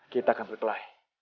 kita akan berkelahi